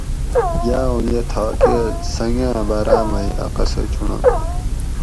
یا اوں یہ تھاکہ سنگاں بارا مئی اۤ قصہ چُونڑم